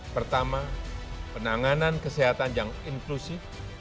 pertama penanganan kesehatan yang inklusif